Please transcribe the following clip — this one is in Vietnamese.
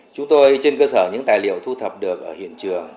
chúng tôi trên cơ sở những tài liệu thu thập được ở hiện trường